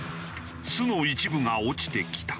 巣の一部が落ちてきた。